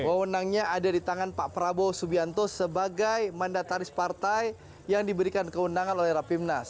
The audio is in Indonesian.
wewenangnya ada di tangan pak prabowo subianto sebagai mandataris partai yang diberikan keundangan oleh rapimnas